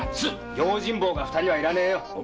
用心棒二人はいらねえよ。